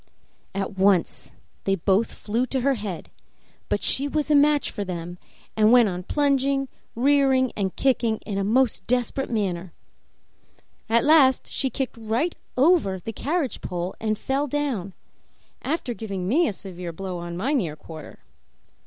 At once they both flew to her head; but she was a match for them, and went on plunging, rearing, and kicking in a most desperate manner. At last she kicked right over the carriage pole and fell down, after giving me a severe blow on my near quarter.